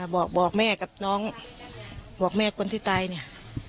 บอกแม่กับน้องบอกแม่คนที่ตายเนี่ย